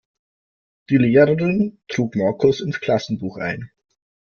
Die Lehrerin trug Markus ins Klassenbuch ein.